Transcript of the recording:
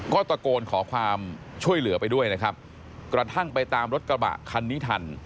ก็ตะโกนขอความช่วยเหลือไปด้วยนะครับกระทั่งไปตามรถกระบะคันนี้ทัน